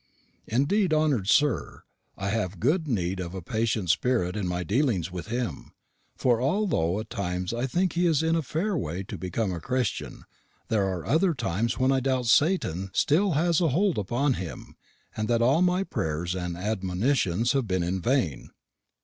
Indeed, honour'd Sir, I have good need of a patient sperrit in my dealings with him; for altho' at times I think he is in a fair way to become a Christian, there are other times when I doubt Satan has still a hold upon him, and that all my prayers and admonitions have been in vaine.